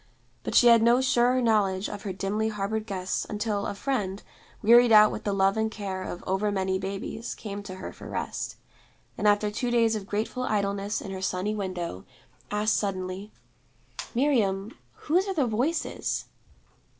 But she had no surer knowledge of her dimly harbored guests until a friend, wearied out with the love and care of over many babies, came to her for rest; and after two days of grateful idleness in her sunny window, asked suddenly, 'Miriam, whose are the Voices?'